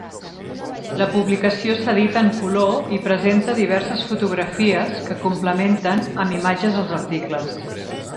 La publicació s'edita en color i presenta diverses fotografies que complementen amb imatges els articles.